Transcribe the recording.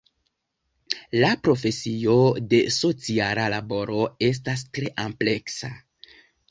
La profesio de sociala laboro estas tre ampleksa.